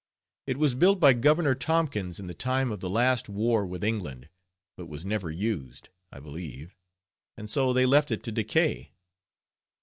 It was built by Governor Tompkins in the time of the last war with England, but was never used, I believe, and so they left it to decay.